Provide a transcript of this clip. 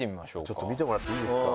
ちょっと見てもらっていいですか。